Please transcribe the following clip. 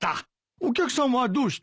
お客さんはどうしとる？